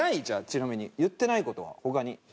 じゃあちなみに言ってない事は他に。